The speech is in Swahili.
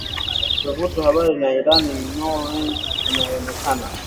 Tovuti ya habari ya Iran Nournews inayoonekana